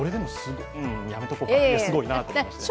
これ、すごいなと思いましてね。